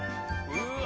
うわ！